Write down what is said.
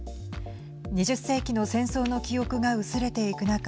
２０世紀の戦争の記憶が薄れていく中